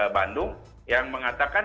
bandung yang mengatakan